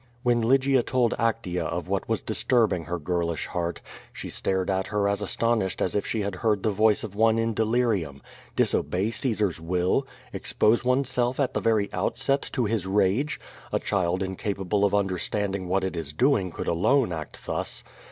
When Lygia told Actea of what was disturbing her girlish heart, she stared at her as astonished as if she had heard the voice of one in delirium. Disobey Caesar's will? Expose oneself at the very outset to his rage? A child incapable of understanding what it is doing could alone act thus.